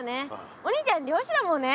お兄ちゃんりょうしだもんね。